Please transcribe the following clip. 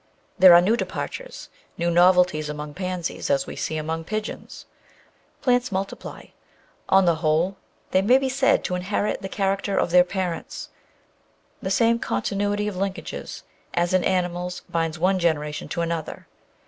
There are new departures new novelties among pansies, as we see among pigeons. Plants multiply; on the whole they may be said to inherit the character of their parents ; the same continuity of linkages as in animals binds one generation to another.